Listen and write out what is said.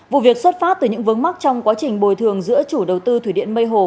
vụ việc xuất phát từ những vướng mắc trong quá trình bồi thường giữa chủ đầu tư thủy điện mây hồ